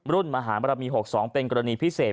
มหาบรมี๖๒เป็นกรณีพิเศษ